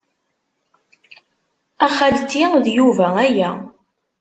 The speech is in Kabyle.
A xalti, d Yuba aya.